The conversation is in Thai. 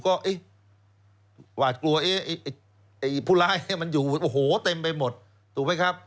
ก็หวาดกลัวไอ้ผู้ร้ายมันอยู่โอ้โหเต็มไปหมดถูกไหมครับ